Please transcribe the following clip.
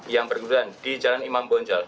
yang berguliran di jalan imam bonjol